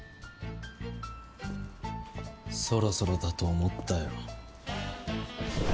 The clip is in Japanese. そろそろだと思ったよ。